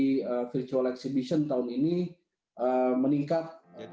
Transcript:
dari virtual exhibition tahun ini meningkat